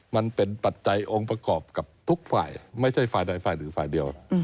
ปัจจัยองค์ประกอบกับทุกฝ่ายไม่ใช่ฝ่ายใดฝ่ายหนึ่งฝ่ายเดียว